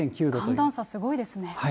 寒暖差すごいですね。